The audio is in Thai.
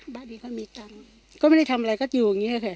ตอนนี้เขามีกัจกแซมก็ไม่ได้ทำไรก็อยู่แบบนี้ค่ะ